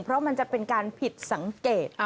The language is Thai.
เพราะมันจะเป็นการผิดสังเกต